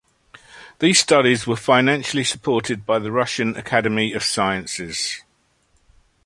These studies were financially supported by the Russian Academy of Sciences.